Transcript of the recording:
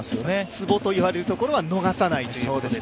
ツボと言われるところは逃さないと。